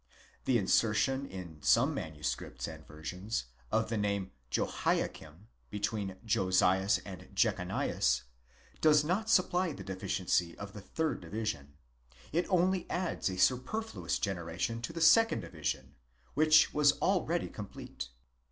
The inser tion, in some manuscripts and versions, of the name /ehoiakim* between Josias and Jechonias, does not supply the deficiency of the third division ; it. only adds a superfluous generation to the second division, which was already complete.